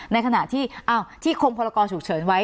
ในขณะที่ที่คงพรกรฉุกเฉินไว้